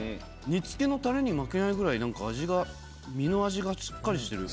煮つけのたれに負けないぐらい、なんか味が、身の味がしっかりしてる。